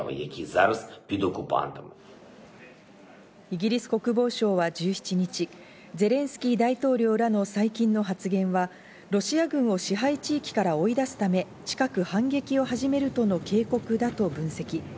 イギリス国防省は１７日、ゼレンスキー大統領らの最近の発言はロシア軍を支配地域から追い出すため、近く反撃を始めるとの警告だと分析。